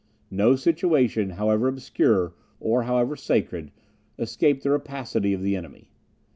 No situation, however obscure, or however sacred, escaped the rapacity of the enemy.